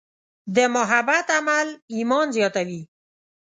د محبت عمل ایمان زیاتوي.